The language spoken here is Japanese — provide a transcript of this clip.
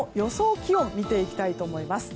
気温を見ていきたいと思います。